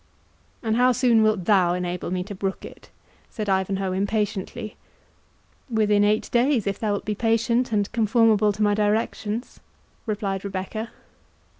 "And how soon wilt THOU enable me to brook it?" said Ivanhoe, impatiently. "Within eight days, if thou wilt be patient and conformable to my directions," replied Rebecca.